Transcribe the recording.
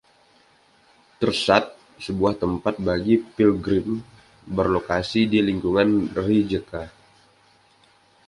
Trsat, sebuah tempat bagi pilgrim, berlokasi di lingkungan Rijeka.